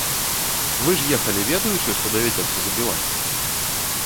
Вы ж ехалі, ведаючы, што давядзецца забіваць?